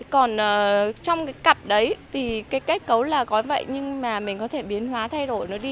còn trong cái cặp đấy thì cái kết cấu là gói vậy nhưng mà mình có thể biến hóa thay đổi nó đi